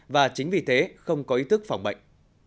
và chính vì thế không có ý thức phòng bệnh